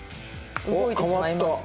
動いてしまいました。